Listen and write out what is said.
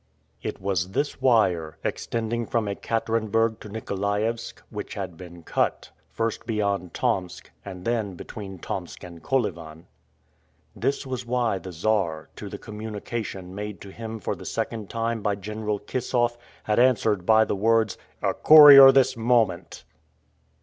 It was this wire, extending from Ekaterenburg to Nikolaevsk, which had been cut, first beyond Tomsk, and then between Tomsk and Kolyvan. This was why the Czar, to the communication made to him for the second time by General Kissoff, had answered by the words, "A courier this moment!"